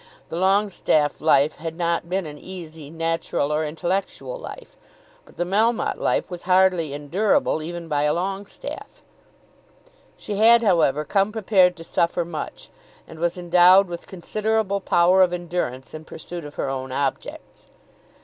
The Longestaffe life had not been an easy, natural, or intellectual life; but the Melmotte life was hardly endurable even by a Longestaffe. She had, however, come prepared to suffer much, and was endowed with considerable power of endurance in pursuit of her own objects.